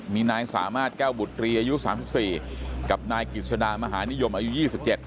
มีนายสามารทแก้วบุตรีอายุ๓๔กับนายกิจชนามหานิยมอายุ๒๗